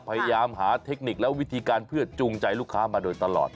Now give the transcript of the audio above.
พยายามหาเทคนิคและวิธีการเพื่อจูงใจลูกค้ามาโดยตลอด